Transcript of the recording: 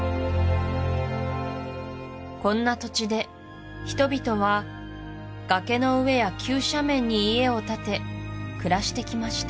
こんな土地で人々は崖の上や急斜面に家を建て暮らしてきました